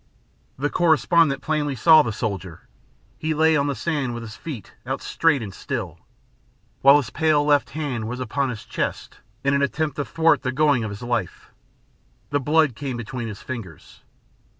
The correspondent plainly saw the soldier. He lay on the sand with his feet out straight and still. While his pale left hand was upon his chest in an attempt to thwart the going of his life, the blood came between his fingers.